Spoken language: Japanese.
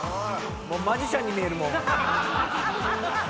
マジシャンに見えるもん。